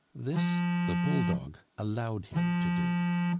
This the bull dog allowed him to do.